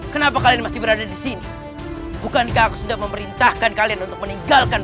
kenapa kalian masih berada di sini bukankah aku sudah memerintahkan kalian untuk meninggalkan